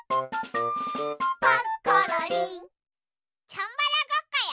チャンバラごっこよ。